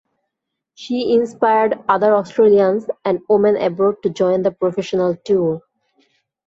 She inspired other Australians and women abroad to join the professional tour.